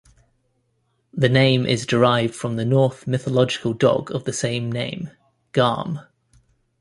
The name is derived from the Norse mythological dog of the same name, Garm.